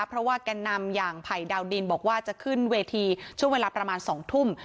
เพราะว่าแก่นำอย่างไผ่ดาวดินบอกว่าจะขึ้นเวทีช่วงเวลาประมาณ๒ทุ่ม